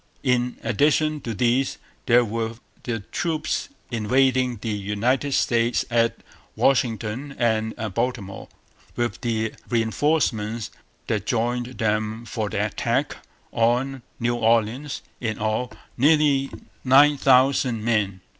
In addition to these there were the troops invading the United States at Washington and Baltimore, with the reinforcements that joined them for the attack on New Orleans in all, nearly nine thousand men.